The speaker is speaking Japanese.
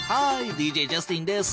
ＤＪジャスティンです。